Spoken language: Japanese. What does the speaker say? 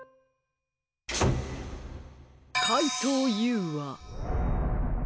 かいとうＵは。